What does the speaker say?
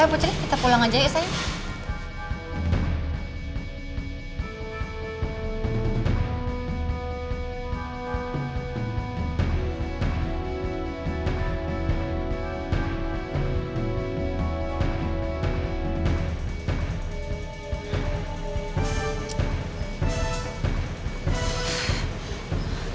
eh bu putri kita pulang aja yuk sayang